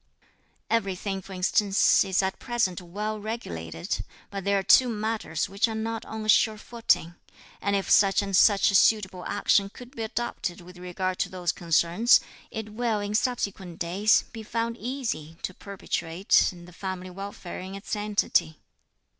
Everything, for instance, is at present well regulated; but there are two matters which are not on a sure footing, and if such and such suitable action could be adopted with regard to these concerns, it will, in subsequent days, be found easy to perpetuate the family welfare in its entity."